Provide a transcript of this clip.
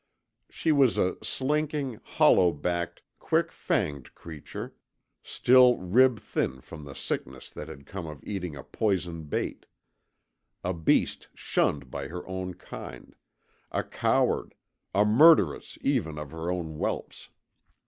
She was a slinking, hollow backed, quick fanged creature, still rib thin from the sickness that had come of eating a poison bait; a beast shunned by her own kind a coward, a murderess even of her own whelps.